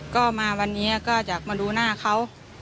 ก็มาวันนี้ก็จะมาดูหน้าเขา